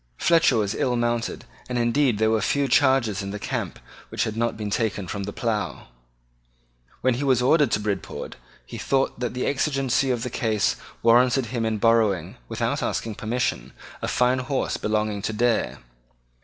Fletcher was ill mounted; and indeed there were few chargers in the camp which had not been taken from the plough. When he was ordered to Bridport, he thought that the exigency of the case warranted him in borrowing, without asking permission, a fine horse belonging to Dare.